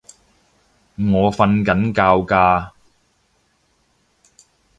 我訓緊覺㗎